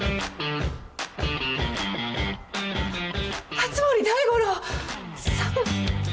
熱護大五郎さん？